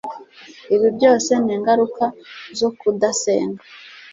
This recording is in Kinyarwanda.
Ibi byose ni ingaruka zokuda senga